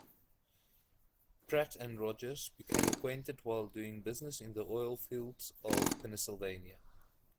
Pratt and Rogers became acquainted while doing business in the oil fields of Pennsylvania.